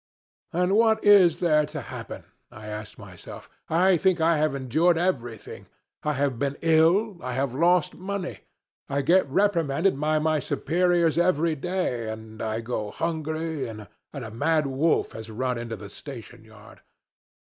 "And what is there to happen?" I asked myself. "I think I have endured everything. I've been ill, I've lost money, I get reprimanded by my superiors every day, and I go hungry, and a mad wolf has run into the station yard.